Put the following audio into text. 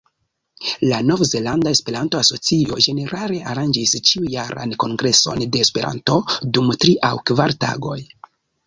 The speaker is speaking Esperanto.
La Nov-Zelanda Esperanto-Asocio ĝenerale aranĝas ĉiujaran kongreson de Esperanto dum tri aŭ kvar tagoj.